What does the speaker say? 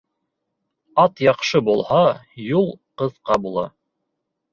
Ат яҡшы булһа, юл ҡыҫҡа була.